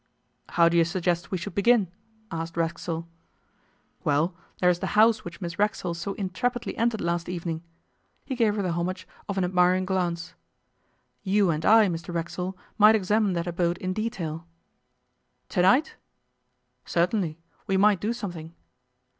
'How do you suggest we should begin?' asked Racksole. 'Well, there is the house which Miss Racksole so intrepidly entered last evening' he gave her the homage of an admiring glance; 'you and I, Mr Racksole, might examine that abode in detail.' 'To night?' 'Certainly. We might do something.